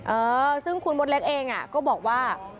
เออซึ่งคุณมดเล็กเองก็บอกว่า